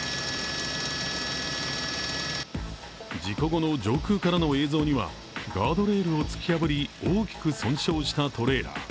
事故後の上空からの映像にはガードレールを突き破り大きく損傷したトレーラー。